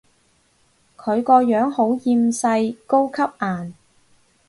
佢個樣好厭世，高級顏